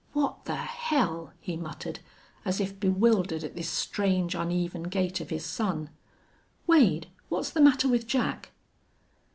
"What the hell?" he muttered, as if bewildered at this strange, uneven gait of his son. "Wade, what's the matter with Jack?"